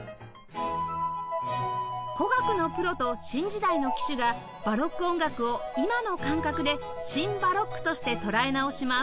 古楽のプロと新時代の旗手がバロック音楽を今の感覚でシン・バロックとして捉え直します